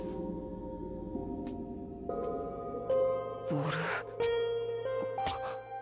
ボール。